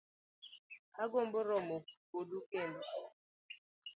Agombo romo kodu kendo